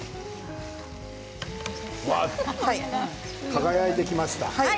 輝いてきました。